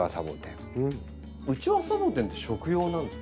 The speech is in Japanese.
ウチワサボテンって食用なんですか？